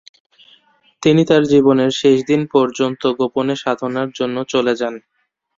তিনি তার জীবনের শেষ দিন পর্যন্ত গোপণে সাধনার জন্য চলে যান।